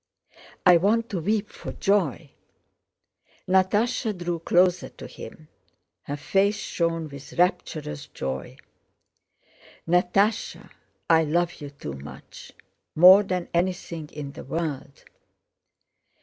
I want to weep for joy." Natásha drew closer to him. Her face shone with rapturous joy. "Natásha, I love you too much! More than anything in the world."